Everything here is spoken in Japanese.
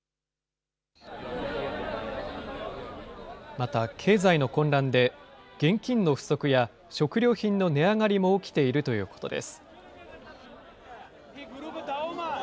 また、経済の混乱で、現金の不足や食料品の値上がりも起きているということです。